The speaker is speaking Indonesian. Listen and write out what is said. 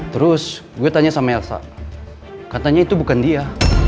terus gue tanya sama elsa katanya itu bukan dia